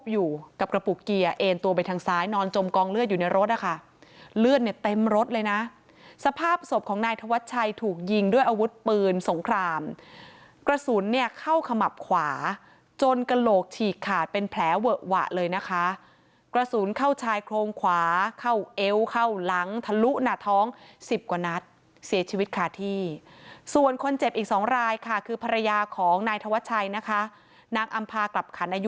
อยู่กับกระปุกเกียร์เอ็นตัวไปทางซ้ายนอนจมกองเลือดอยู่ในรถนะคะเลือดในเต็มรถเลยนะสภาพศพของนายทวชัยถูกยิงด้วยอาวุธปืนสงครามกระสุนเนี่ยเข้าขมับขวาจนกระโหลกฉีกขาดเป็นแผลเวอะหวะเลยนะคะกระสุนเข้าชายโครงขวาเข้าเอวเข้าหลังทะลุหนาท้อง๑๐กว่านัดเสียชีวิตขาดที่ส่วนคนเจ็บอีก๒รายค่ะ